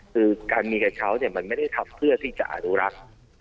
คือการมีกระเช้ามันไม่ได้ทำเพื่อที่จะอนุรักษ์